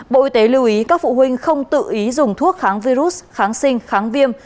bộ y tế lưu ý các phụ huynh không tự ý dùng thuốc kháng virus kháng sinh kháng viêm